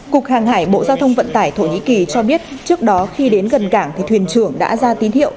cục hàng hải bộ giao thông vận tải thổ nhĩ kỳ cho biết trước đó khi đến gần cảng thì thuyền trưởng đã ra tín hiệu